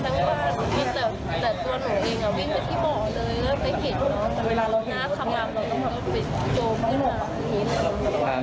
ที่น้องงานไหน